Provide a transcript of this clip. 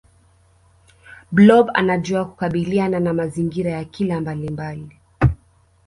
blob anajua kukabiliana na mazingira ya kila mbalimbali